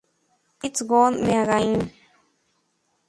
It's Got Me Again!